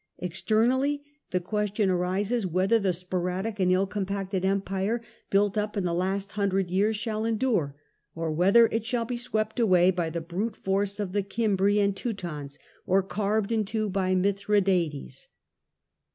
Ex ternally the question arises whether the sporadic and ill compaoted empire built up in the last hundred years shall endure, or whether it shall be swept away by the brute force of the Oimbri and Teutons, or carved in two by Mithradates.